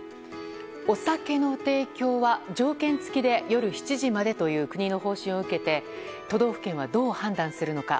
お酒の提供は条件付きで夜７時までという国の方針を受けて都道府県は、どう判断するのか。